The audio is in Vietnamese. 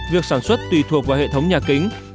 việc sản xuất tùy thuộc vào hệ thống nhà kính